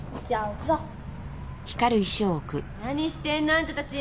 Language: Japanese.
・何してんの？あんたたち。